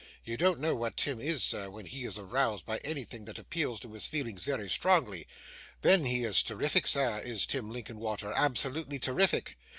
You don't know what Tim is, sir, when he is aroused by anything that appeals to his feelings very strongly; then he is terrific, sir, is Tim Linkinwater, absolutely terrific.